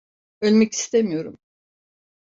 Ölmek istemiyorum!